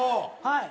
はい。